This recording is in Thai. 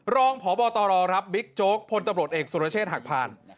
รองพบตรรับบิ๊กโจ๊กพตเอกสุรเชษฐ์หักพาน